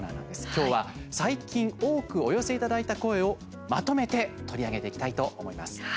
きょうは、最近多くお寄せいただいた声をまとめて取り上げていきたいと思います。